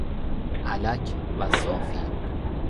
الک و صافی